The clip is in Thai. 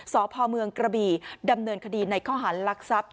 สพเมืองกระบี่ดำเนินคดีในข้อหารลักทรัพย์